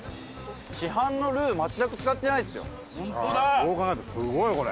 そう考えるとすごい、これ。